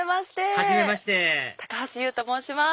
はじめまして高橋ユウと申します。